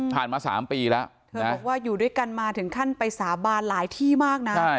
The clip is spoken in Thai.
มา๓ปีแล้วเธอบอกว่าอยู่ด้วยกันมาถึงขั้นไปสาบานหลายที่มากนะ